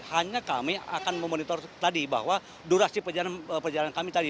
hanya kami akan memonitor tadi bahwa durasi perjalanan kami tadi